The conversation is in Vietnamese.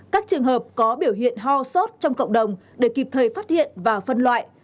các trường hợp có biểu hiện ho sốt trong cộng đồng để kịp thời phát hiện và phân loại